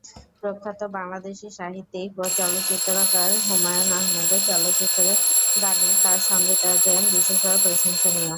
প্রখ্যাত বাংলাদেশী সাহিত্যিক ও চলচ্চিত্রকার হুমায়ূন আহমেদের চলচ্চিত্রের গানে তার সঙ্গীতায়োজন বিশেষভাবে প্রশংসনীয়।